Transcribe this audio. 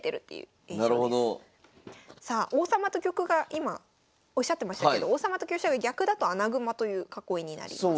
さあ王様と玉が今おっしゃってましたけど王様と香車が逆だと穴熊という囲いになります。